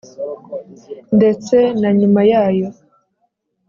ndetse na nyuma yayo